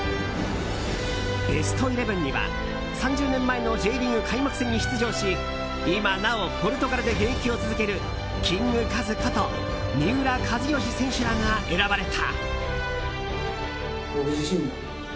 ベストイレブンには、３０年前のＪリーグ開幕戦に出場し今なおポルトガルで現役を続けるキングカズこと三浦知良選手らが選ばれた。